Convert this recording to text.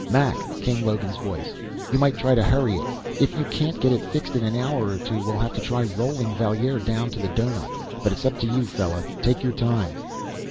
"Mac," came Logan's voice, "you might try to hurry it. If you can't get it fixed in an hour or two, we'll have to try rolling Valier down to the doughnut. But it's up to you, fella. Take your time."